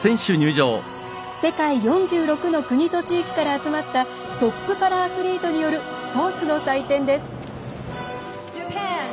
世界４６の国と地域から集まったトップパラアスリートによるスポーツの祭典です。